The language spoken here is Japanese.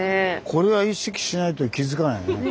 これは意識しないと気付かないね。